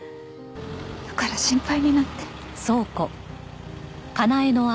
だから心配になって。